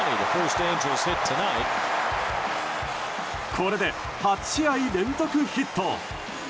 これで８試合連続ヒット。